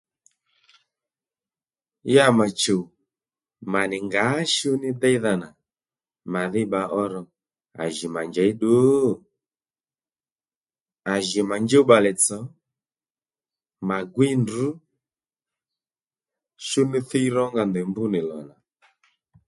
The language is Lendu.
Ya mà chùw mà nì ngǎ shú ní déydha nà màdhí bba ó ro à jì mà njěy ddu? à jì mà njúw bbalè tsò mà gwíy ndrǔ shú ní thíy rónga ndèy mbr nì lò nà